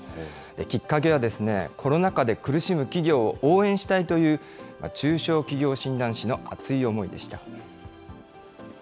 きっかけは、コロナ禍で苦しむ企業を応援したいという、中小企業診断士の熱い思いでした。